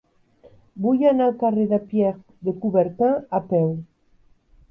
Vull anar al carrer de Pierre de Coubertin a peu.